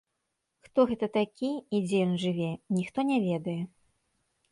Хто гэта такі і дзе ён жыве, ніхто не ведае.